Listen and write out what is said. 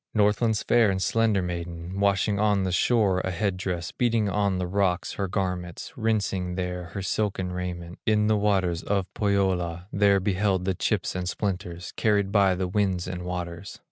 Northland's fair and slender maiden, Washing on the shore a head dress, Beating on the rocks her garments, Rinsing there her silken raiment, In the waters of Pohyola, There beheld the chips and splinters, Carried by the winds and waters.